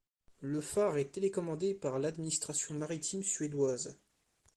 Le phare est télécommandé par l'administration maritime suédoise.